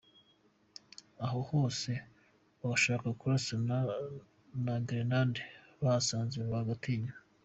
Aho hose bagashaka kurasana na garde bahasanze bagatinya.